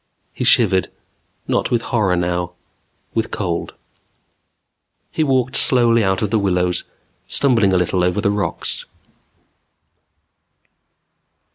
He shivered, not with horror now. With cold. He walked slowly out of the willows, stumbling a little over the rocks.